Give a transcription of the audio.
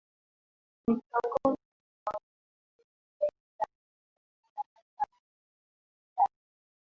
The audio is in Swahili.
michongom Mdomo na ulimi wa twiga humsaidia kuweza kula hata maeneo yenye miba na